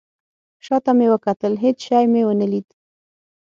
شاته مې وکتل. هیڅ شی مې ونه لید